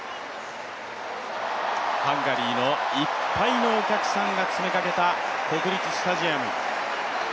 ハンガリーのいっぱいのお客さんが詰めかけた国立スタジアム。